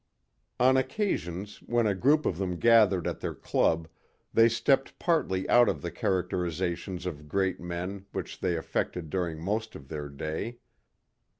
On occasions when a group of them gathered at their club they stepped partly out of the characterizations of great men which they affected during most of their day.